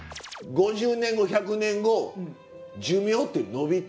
５０年後１００年後寿命って伸びて。